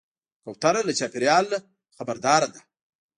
کوتره له چاپېریاله نه خبرداره ده.